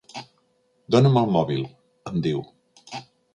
Dona'm el mòbil —em diu.